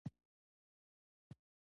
د خوږو زردالو هیواد افغانستان.